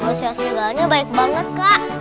manusia serigalanya baik banget kak